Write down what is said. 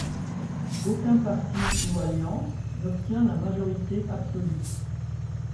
Aucun parti ou alliance n’obtient la majorité absolue.